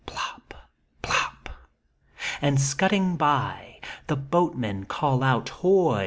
Plop, plop. And scudding by The boatmen call oiit hoy